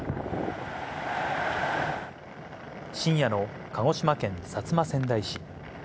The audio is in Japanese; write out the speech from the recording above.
深夜の鹿児島県薩摩川内市。